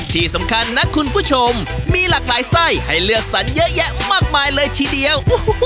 ที่สำคัญนะคุณผู้ชมมีหลากหลายไส้ให้เลือกสรรเยอะแยะมากมายเลยทีเดียว